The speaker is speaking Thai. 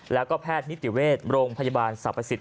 แล้วก็แพทย์นิติเวชโรงพยาบาลสรรพสิทธ